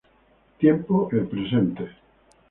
Tiempo: el presente.